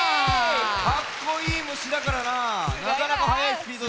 かっこいい虫だからななかなかはやいスピードででてきた。